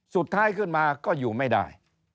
สุดท้ายขึ้นมาก็อยู่ไม่ได้